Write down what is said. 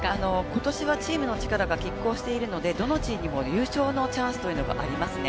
ことしはチームの力が拮抗しているので、どのチームにも優勝のチャンスというのがありますね。